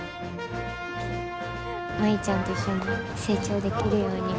舞ちゃんと一緒に成長できるように。